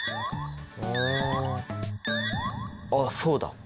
あっそうだ！